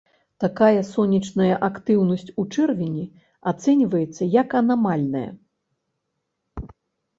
Такая сонечная актыўнасць у чэрвені ацэньваецца як анамальная.